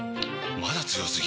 まだ強すぎ？！